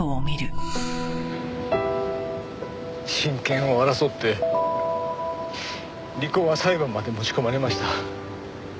親権を争って離婚は裁判まで持ち込まれました。